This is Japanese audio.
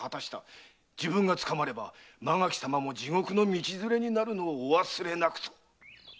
自分が捕まれば間垣様も地獄の道連れになるのをお忘れなく」と。